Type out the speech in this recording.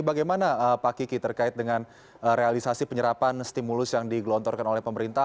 bagaimana pak kiki terkait dengan realisasi penyerapan stimulus yang digelontorkan oleh pemerintah